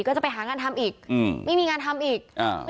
ก็จะไปหางานทำอีกไม่มีงานทำอีก